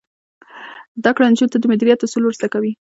زده کړه نجونو ته د مدیریت اصول ور زده کوي.